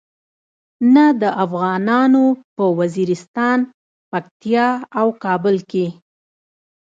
نه د افغانانو په وزیرستان، پکتیا او کابل کې.